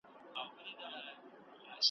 اداره خپل کارکوونکي څاري.